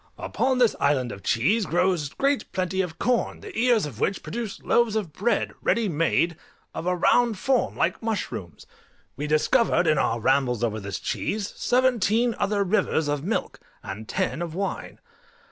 Upon this island of cheese grows great plenty of corn, the ears of which produce loaves of bread, ready made, of a round form like mushrooms. We discovered, in our rambles over this cheese, seventeen other rivers of milk, and ten of wine.